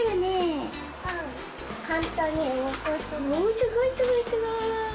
すごいすごいすごい。